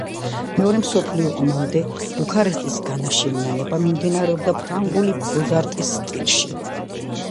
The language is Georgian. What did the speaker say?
მეორე მსოფლიო ომამდე ბუქარესტის განაშენიანება მიმდინარეობდა ფრანგული ბოზ-არტის სტილში.